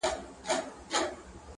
ترېنه وغواړه لمن كي غيرانونه!.